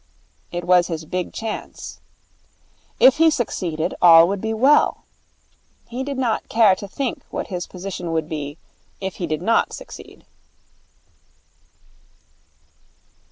It was his big chance. If he succeeded, all would be well. He did not care to think what his position would be if he did not succeed.